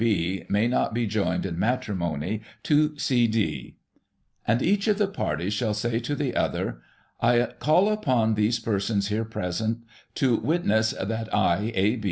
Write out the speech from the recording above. B., may not be joined in Matrimony to C D.^ " And each of the Parties shall say to the other :"' I call upon these Persons here present to witness that I, A.